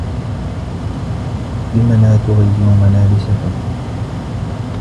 لم لا تغيّر ملابسك؟